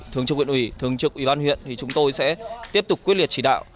thường trực huyện ủy thường trực ủy ban huyện thì chúng tôi sẽ tiếp tục quyết liệt chỉ đạo